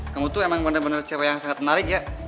kamu tuh emang bener bener cewe yang sangat menarik ya